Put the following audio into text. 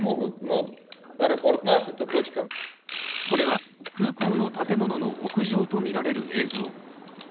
これは空港の建物の屋上とみられる映像。